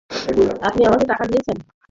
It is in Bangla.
আপনি আমাকে টাকা দিয়েছেন।